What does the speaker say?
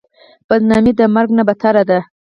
بدنامي د مرګ نه بدتره ده.